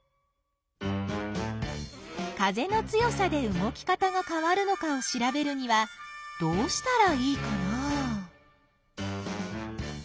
風の強さで動き方がかわるのかをしらべるにはどうしたらいいかな？